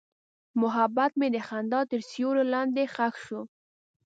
محبت مې د خندا تر سیوري لاندې ښخ شو.